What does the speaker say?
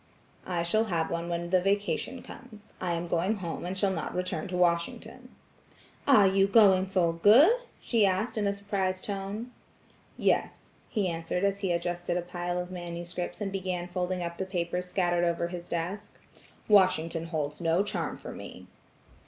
"I shall have one when the vacation comes. I am going home and I shall not return to Washington." "Are you going for good?" she asked in a surprised tone. "Yes," he answered as he adjusted a pile of manuscript, and began folding up the papers scattered over his desk. "Washington holds no charm for me."